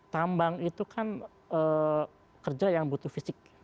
tambang itu kan kerja yang butuh fisik